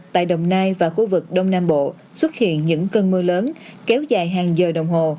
tại đồng nai và khu vực đông nam bộ xuất hiện những cơn mưa lớn kéo dài hàng giờ đồng hồ